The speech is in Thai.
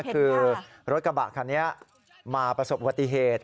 คือรถกระบะคันนี้มาประสบวติเหตุ